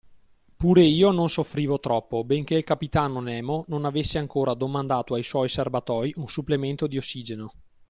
Pure io non soffrivo troppo benchè il capitano Nemo non avesse ancora domandato ai suoi serbatoi un supplemento di ossigeno.